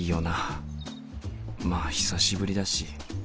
まあ久しぶりだし。